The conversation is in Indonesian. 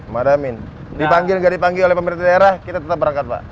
madamin dipanggil nggak dipanggil oleh pemerintah daerah kita tetap berangkat pak